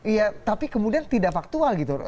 iya tapi kemudian tidak faktual gitu